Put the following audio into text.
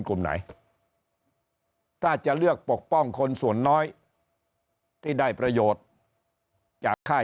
กลุ่มไหนถ้าจะเลือกปกป้องคนส่วนน้อยที่ได้ประโยชน์จากค่าย